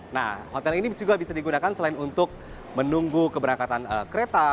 nah hotel ini juga bisa digunakan selain untuk menunggu keberangkatan kereta